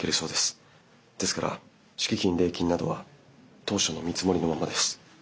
ですから敷金礼金などは当初の見積もりのままです。